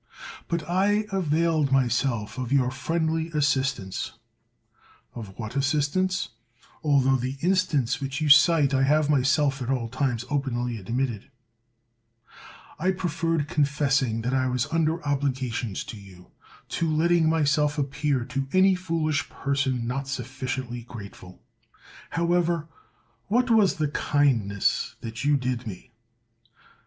But I availed myself of your friendly assist ance. Of what assistance? Altho the instance 171 THE WORLD'S FAMOUS ORATIONS which you cite I have myself at all times openly admitted. I preferred confessing that I was under obligations to you, to letting myself ap pear to any foolish person not suflScientiy grate ful. However, what was the kindness that you did me